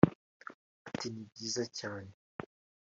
Ati “ Ni byiza cyane